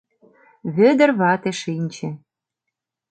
Вӧдыр вате шинче.